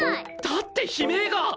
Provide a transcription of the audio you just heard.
だって悲鳴が。